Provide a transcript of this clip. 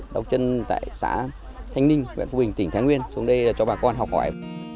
đọc chân tại xã thanh ninh huyện phú bình tỉnh thái nguyên xuống đây cho bà con học hỏi